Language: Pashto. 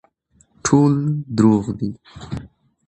ټول دروغ دي